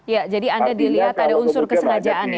ya jadi anda dilihat ada unsur kesengajaan ya